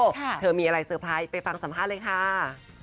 เธอมีอะไรเซอร์ไพรส์ไปฟังสัมภาษณ์เลยค่ะ